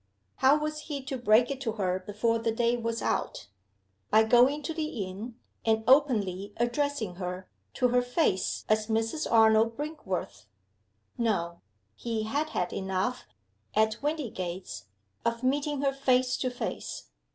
How was he to break it to her before the day was out? By going to the inn and openly addressing her to her face as Mrs. Arnold Brinkworth? No! He had had enough, at Windygates, of meeting her face to face.